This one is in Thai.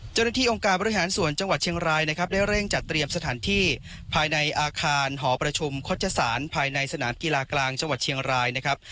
เจ้าหน้าที่องค์การบริหารส่วนจังหวัดเชียงรายนะครับได้เร่งจัดเตรียมสถานที่ภายในอาคารหอประชุมโฆษศาลภายในสนามกีฬากลางจังหวัดเชียงรายนะครับ